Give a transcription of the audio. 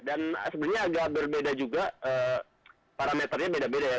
dan sebenarnya agak berbeda juga parameternya beda beda ya